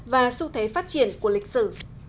và xu thế phát triển của lịch sử